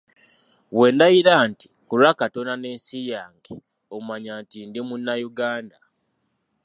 Bwe ndayira nti, ῝Ku lwa Katonda n'ensi yange, ” omanya nti ndi Munnayuganda.